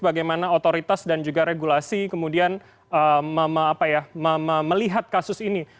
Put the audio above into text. bagaimana otoritas dan juga regulasi kemudian melihat kasus ini